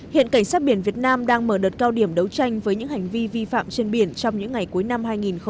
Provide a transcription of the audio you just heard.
hiện cảnh sát biển việt nam đang mở đợt cao điểm đấu tranh với những hành vi vi phạm trên biển trong những ngày cuối năm hai nghìn một mươi chín